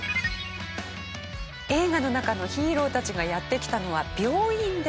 映画の中のヒーローたちがやって来たのは病院です。